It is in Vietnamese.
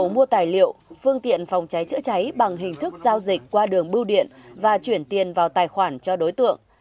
mua tài liệu phương tiện phòng cháy chữa cháy bằng hình thức giao dịch qua đường bưu điện và chuyển tiền vào tài khoản cho đối tượng